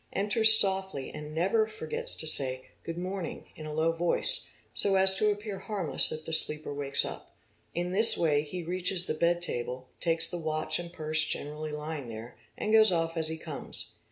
enters softly and never forgets to say "good morning" in a low voice, so as to appear harmless if the sleeper wakes up; in this way he reaches the bed table, takes the watch and purse generally lying there, and goes off as he comes.